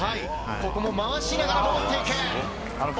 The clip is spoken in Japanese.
ここも回しながらもっていく！